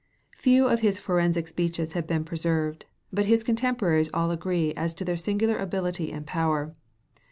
Few of his forensic speeches have been preserved, but his contemporaries all agree as to their singular ability and power.